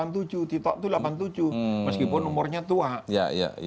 tito itu delapan puluh tujuh meskipun umurnya tua